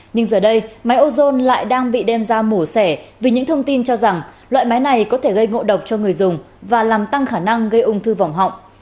nhưng giờ đây máy ozone lại đang bị đem ra mổ xẻ vì những thông tin cho rằng loại máy này có thể gây ngộ độc cho người dùng và làm tăng khả năng gây ung thư vòng họng